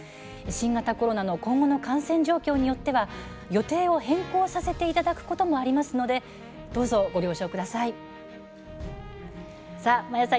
新型コロナの今後の感染状況によっては予定を変更させていただくこともありますのでご了承ください。